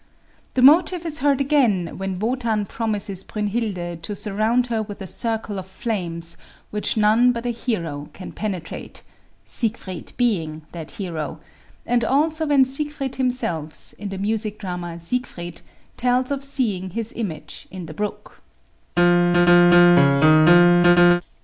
The motive is heard again when Wotan promises Brünnhilde to surround her with a circle of flames which none but a hero can penetrate, Siegfried being that hero; and also when Siegfried himself, in the music drama "Siegfried," tells of seeing his image in the brook.